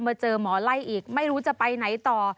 มาเจอหมอไล่อีกไม่รู้จะไปไหนต่อ